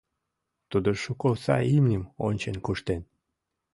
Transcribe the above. Тудо шуко сай имньым ончен куштен.